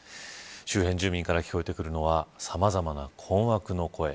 周辺住民から聞こえてくるのはさまざまな困惑の声。